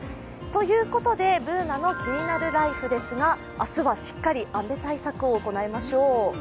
ということで「ＢｏｏｎａのキニナルＬＩＦＥ」ですが明日はしっかり雨対策を行いましょう。